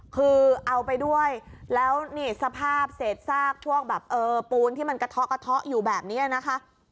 คือเอาไปด้วยแล้วนี่สภาพเศษซากพวกแบบเออปูนที่มันกระเทาะกระเทาะอยู่แบบนี้นะคะ